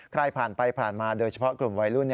ใครผ่านไปผ่านมาโดยเฉพาะกลุ่มวัยรุ่น